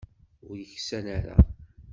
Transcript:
Ur yeksan ara.